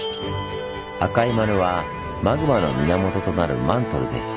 赤い丸はマグマの源となるマントルです。